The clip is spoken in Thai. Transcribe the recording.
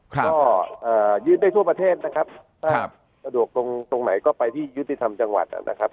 ก็ยึดได้ทั่วประเทศนะครับถ้าสะดวกตรงไหนก็ไปที่ยุติธรรมจังหวัดนะครับ